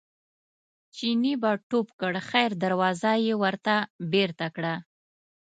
چیني به ټوپ کړ خیر دروازه یې ورته بېرته کړه.